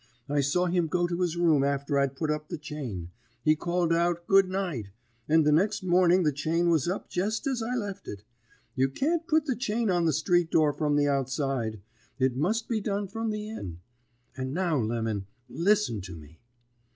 I saw him go to his room after I'd put up the chain; he called out 'Good night;' and the next morning the chain was up jest as I left it. You can't put the chain on the street door from the outside; it must be done from the in. And now, Lemon, listen to me.'